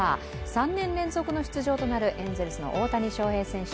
３年連続の出場となるエンゼルスの大谷翔平選手